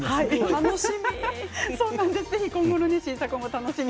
楽しみ。